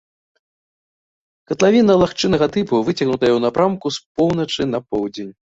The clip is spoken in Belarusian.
Катлавіна лагчыннага тыпу, выцягнутая ў напрамку з поўначы на поўдзень.